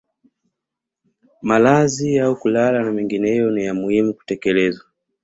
Malazi au kulala na mengineyo ni ya muhimu kutekelezwa